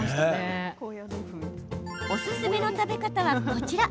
おすすめの食べ方は、こちら。